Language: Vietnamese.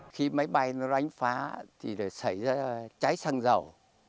khi máy bay nó đánh phá thì xảy ra cháy xăng dầu